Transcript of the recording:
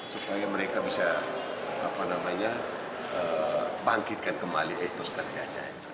supaya mereka bisa apa namanya bangkitkan kembali etos kerjanya